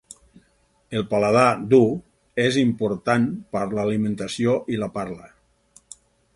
El paladar dur és important per a l'alimentació i la parla.